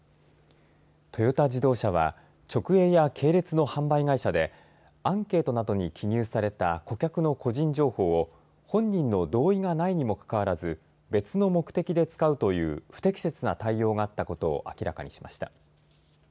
トヨタ自動車は直営や系列の販売会社でアンケートなどに記入された顧客の個人情報を本人の同意がないにもかかわらず別の目的で使うという不適切な対応があったことを明らかにしました。